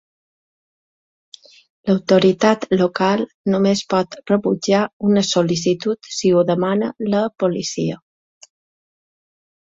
L'autoritat local només pot rebutjar una sol·licitud si ho demana la policia.